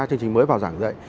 chương trình mới vào giảng dạy